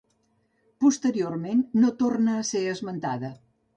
Posteriorment no torna a ser esmentada.